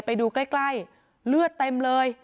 ไปดูใกล้เลือดเต็มเลย